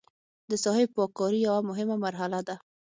د ساحې پاک کاري یوه مهمه مرحله ده